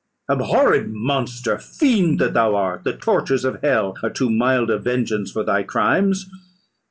"Abhorred monster! fiend that thou art! the tortures of hell are too mild a vengeance for thy crimes.